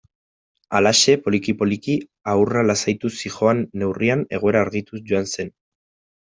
Halaxe, poliki-poliki haurra lasaituz zihoan neurrian, egoera argituz joan zen.